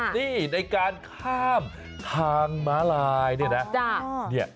นี่ในการข้ามทางม้าลายเนี่ยนะ